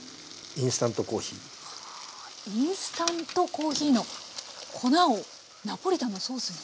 インスタントコーヒーの粉をナポリタンのソースに。